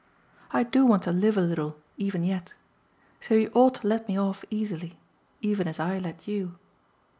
I do want to live a little even yet. So you ought to let me off easily even as I let you."